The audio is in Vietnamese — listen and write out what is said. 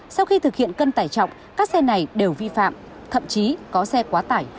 sau khi thực hiện cân tải trọng các xe này đều vi phạm thậm chí có xe quá tải hai trăm linh